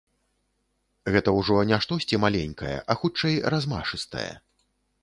Гэта ўжо не штосьці маленькае, а хутчэй размашыстае.